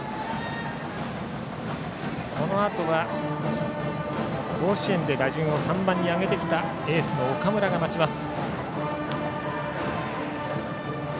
このあとは甲子園で打順を上げてきた打撃好調のエースの岡村が待ちます。